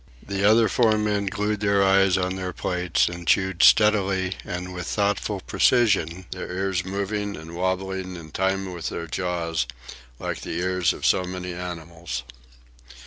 The other four men glued their eyes on their plates and chewed steadily and with thoughtful precision, their ears moving and wobbling, in time with their jaws, like the ears of so many animals.